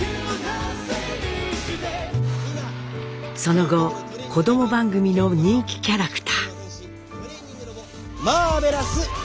その後子ども番組の人気キャラクター。